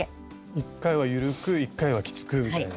一回は緩く一回はきつくみたいな。